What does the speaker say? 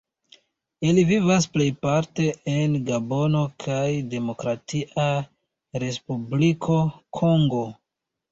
Ili vivas plejparte en Gabono kaj Demokratia Respubliko Kongo.